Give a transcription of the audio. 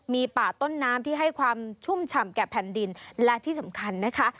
มีป่าต้นน้ำที่ให้ความชุ่มฉ่ำแก่แผ่นดินและที่สำคัญนะคะ